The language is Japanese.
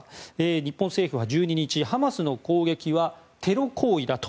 日本政府は１２日ハマスの攻撃はテロ行為だと